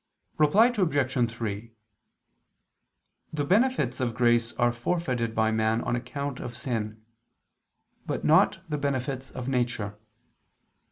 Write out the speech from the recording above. Reply Obj. 3: The benefits of grace are forfeited by man on account of sin: but not the benefits of nature.